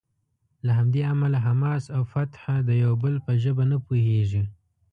له همدې امله حماس او فتح د یو بل په ژبه نه پوهیږي.